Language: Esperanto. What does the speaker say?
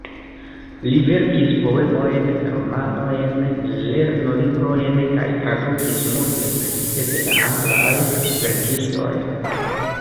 Li verkis poemojn, romanojn, lernolibrojn kaj tradukis multe, precipe de la anglaj verkistoj.